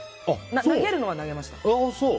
投げるのは投げました。